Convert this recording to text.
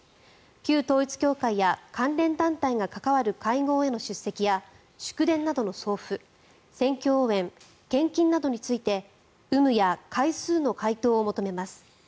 旧統一教会や関連団体が関わる会合への出席や祝電などの送付、選挙応援献金などについて有無や回数の回答を求めます。